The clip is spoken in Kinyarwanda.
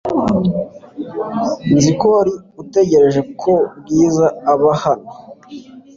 Nzi ko wari utegereje ko Bwiza aba hano .